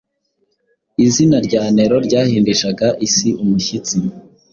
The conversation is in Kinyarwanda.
Izina rya Nero ryahindishaga isi umushyitsi.